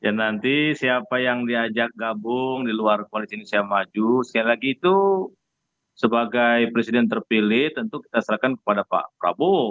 ya nanti siapa yang diajak gabung di luar koalisi indonesia maju sekali lagi itu sebagai presiden terpilih tentu kita serahkan kepada pak prabowo